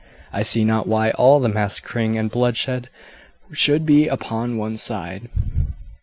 I see not why all the massacreing and bloodshed should be upon one side."